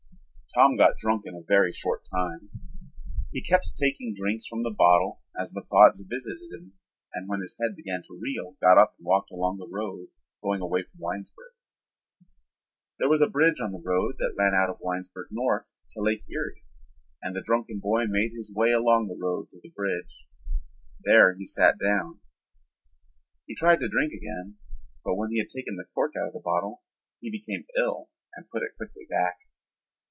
Tom got drunk in a very short time. He kept taking drinks from the bottle as the thoughts visited him and when his head began to reel got up and walked along the road going away from Winesburg. There was a bridge on the road that ran out of Winesburg north to Lake Erie and the drunken boy made his way along the road to the bridge. There he sat down. He tried to drink again, but when he had taken the cork out of the bottle he became ill and put it quickly back.